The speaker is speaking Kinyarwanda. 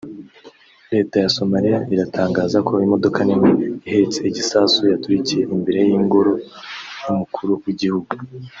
Leta ya Somaliya iratangaza ko imodoka nini ihetse igisasu yaturikiye imbere y’Ingoro y’umukuru w’igihugu